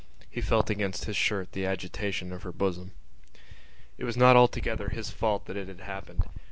He felt against his shirt the agitation of her bosom. It was not altogether his fault that it had happened.